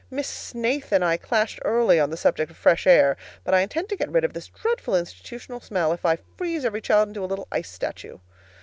Miss Snaith and I clashed early on the subject of fresh air; but I intend to get rid of this dreadful institution smell, if I freeze every child into a little ice statue.